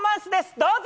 どうぞ。